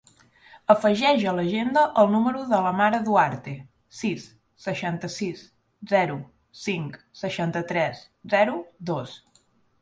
Afegeix a l'agenda el número de la Mara Duarte: sis, seixanta-sis, zero, cinc, seixanta-tres, zero, dos.